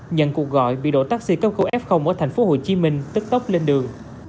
nhận cuộc gọi bị đội taxi cấp cứu f ở tp hcm tức tốc lên đường